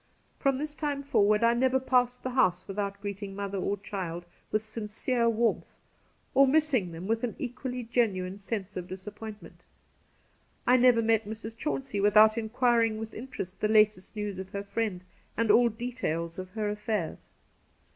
From this time forward I never passed the house without greeting mother or child with sincere warmth, or missing them with an equally genuine sense of disappoint ment. I never met Mrs. Chauncey without in quiring with interest the latest news of her friend and all details of her affairs.